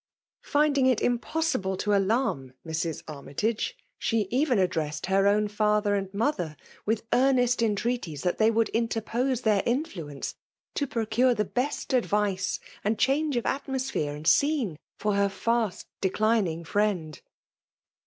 Finding it impos Able to alarm Mrs. Armytage, she even ad'^ dressed her own father and mother wifli earnest entreaties that they would interpose ijheir mfhiencc to procure the best advice, and change of atmosphere and scene, for her fast* declining friend.